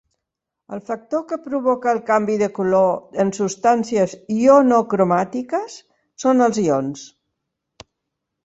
El factor que provoca el canvi de color en substàncies ionocromàtiques són els ions.